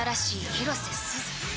広瀬すず！